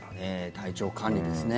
体調管理ですね。